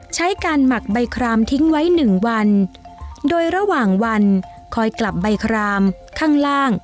ใช้การหมักใบครามทิ้งไว้หนึ่งวันโดยระหว่างวันคอยกลับใบครามข้างล่าง